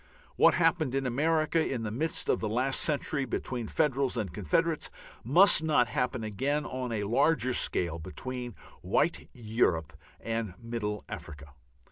What happened in America in the midst of the last century between Federals and Confederates must not happen again on a larger scale between white Europe and middle Africa.